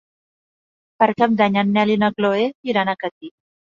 Per Cap d'Any en Nel i na Chloé iran a Catí.